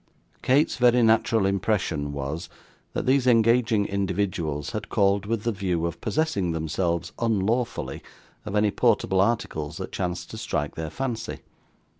Kate's very natural impression was, that these engaging individuals had called with the view of possessing themselves, unlawfully, of any portable articles that chanced to strike their fancy.